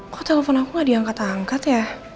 kok telepon aku gak diangkat angkat ya